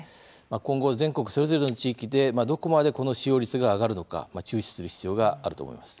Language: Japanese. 今後、全国それぞれの地域でどこまでこの使用率が上がるのか注視する必要があると思います。